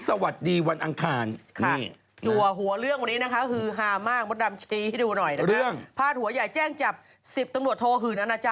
ตอนนี้๖โมงนะฮะ๖โมง๑นาทีถึง๗โมงเราเจอกันตอนเช้านะฮะ